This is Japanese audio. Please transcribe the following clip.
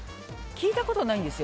聞いたことないんですよ。